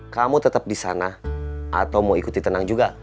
kamu tetap di sana atau mau ikut ditendang juga